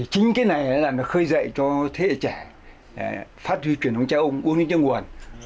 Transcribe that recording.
chính cái này là nó khơi dậy cho thế hệ trẻ phát huy chuyển đồng trai ông uống những chương nguồn